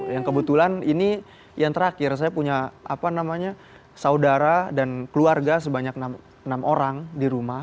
yang kebetulan ini yang terakhir saya punya saudara dan keluarga sebanyak enam orang di rumah